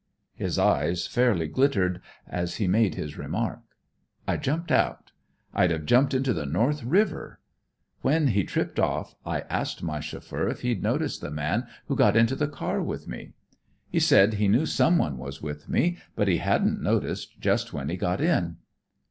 "His eyes fairly glittered as he made his remark. I jumped out. I'd have jumped into the North River. When he tripped off, I asked my chauffeur if he'd noticed the man who got into the car with me. He said he knew someone was with me, but he hadn't noticed just when he got in.